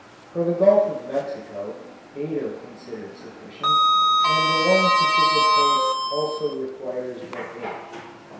For the Gulf of Mexico eight are considered sufficient, and the long Pacific coast also requires but eight.